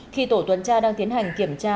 khi tổ tuần tra đang tiến hành kiểm tra